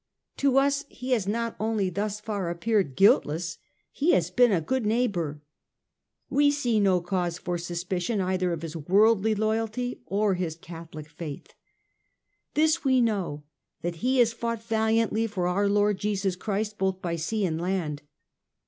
To us he has not only thus far appeared guiltless, he has been a good neigh bour ; we see no cause for suspicion either of his worldly loyalty or his Catholic faith. This we know, that he has fought valiantly for our Lord Jesus Christ both by sea and land.